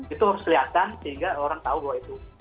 itu harus kelihatan sehingga orang tahu bahwa itu